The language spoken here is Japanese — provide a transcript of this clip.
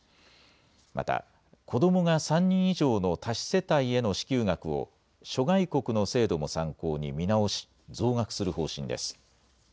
また、子どもが３人以上の多子世帯への支給額を、諸外国の制度も参考に見直し、増額する方針です。